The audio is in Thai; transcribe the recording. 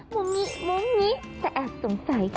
มุมิมุ้งมิแต่แอบสงสัย